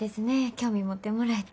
興味持ってもらえて。